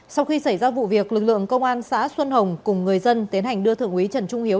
sau khi xảy ra vụ việc lực lượng công an xã xuân hồng cùng người dân tiến hành đưa thượng úy trần trung hiếu